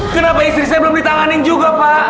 kenapa istri saya belum ditanganin juga pak